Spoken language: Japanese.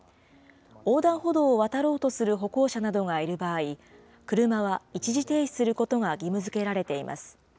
横断歩道を渡ろうとする歩行者などがいる場合、車は一時停止することが義務づけられています。